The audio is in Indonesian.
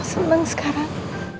masuk bang sekarang